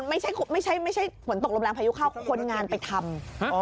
ไม่ใช่ไม่ใช่ฝนตกลมแรงพายุเข้าคนงานไปทำ